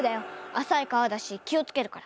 あさい川だし気をつけるから。